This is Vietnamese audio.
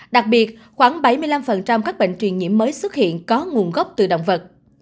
đặc biệt khoảng bảy mươi năm các bệnh truyền nhiễm mới xuất hiện có nguồn gốc từ động vật